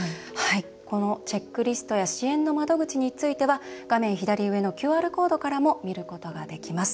このチェックリストや支援の窓口については画面左上のＱＲコードからも見ることができます。